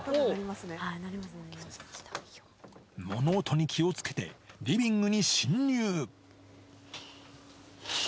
物音に気をつけて、リビングに侵入。